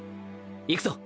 行くぞ。